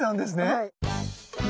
はい。